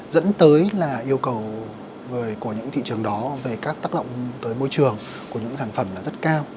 dẫn tới là yêu cầu của những thị trường đó về các tác động tới môi trường của những sản phẩm là rất cao